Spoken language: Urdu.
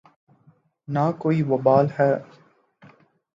یہ کوئی وبال ہے۔